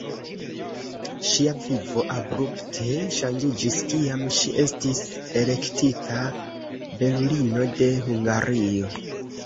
Ŝia vivo abrupte ŝanĝiĝis, kiam ŝi estis elektita "belulino de Hungario".